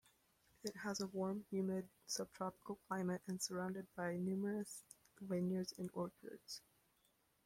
It has a warm humid subtropical climate and surrounded by numerous vineyards and orchards.